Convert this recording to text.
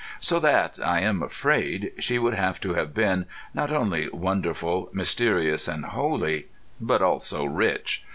So that, I am afraid, she would have to have been, not only wonderful, mysterious, and holy, but also rich.